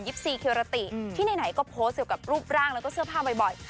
ซีเคราติที่ไหนก็โพสต์เกี่ยวกับรูปร่างแล้วก็เสื้อผ้าบ่อย